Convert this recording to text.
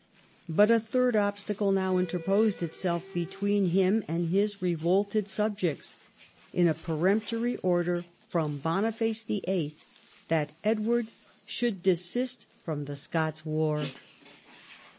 But a third obstacle now interposed itself between him and his revolted subjects in a peremptory order from Boniface VIII. that Edward should desist from the Scots war.